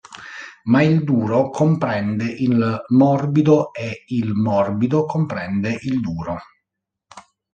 Ma il duro comprende il morbido e il morbido comprende il duro.